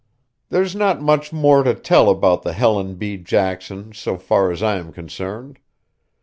There's not much more to tell about the Helen B. Jackson so far as I am concerned.